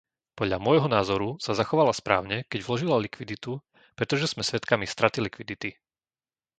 Podľa môjho názoru sa zachovala správne, keď vložila likviditu, pretože sme svedkami straty likvidity.